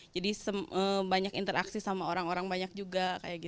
jadi banyak interaksi sama orang orang banyak juga